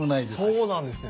そうなんですね。